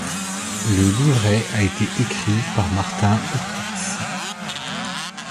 Le livret a été écrit par Martin Opitz.